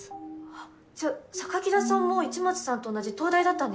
あっじゃあ田さんも市松さんと同じ東大だったんですね。